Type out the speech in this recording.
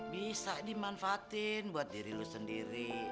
bisa dimanfaatin buat diri lu sendiri